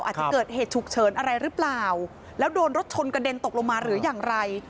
อาจจะเกิดเหตุฉุกเฉินอะไรหรือเปล่าแล้วโดนรถชนกระเด็นตกลงมาหรืออย่างไร